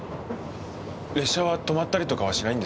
列車は停まったりとかはしないんですか？